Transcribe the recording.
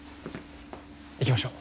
行きましょう。